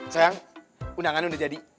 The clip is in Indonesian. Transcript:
sayang undangan udah jadi